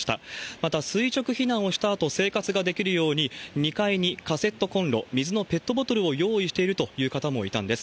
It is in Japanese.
また、すいちょく避難をしたあと、生活ができるように、２階にカセットこんろ、水のペットボトルを用意しているという方もいたんです。